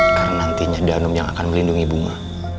karena nantinya danum yang akan melindungi bunga